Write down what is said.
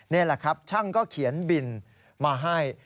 นี่แหละครับช่างก็เขียนบินมาให้